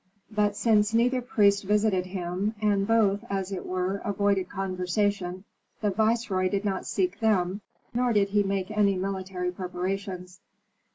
But since neither priest visited him, and both, as it were, avoided conversation, the viceroy did not seek them, nor did he make any military preparations.